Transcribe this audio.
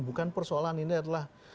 bukan persoalan ini adalah